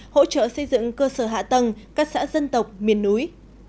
hỗ trợ xây dựng cơ sở hạ tầng các xã dân tộc miền núi